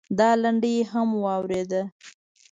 دا لنډۍ هم واورېده.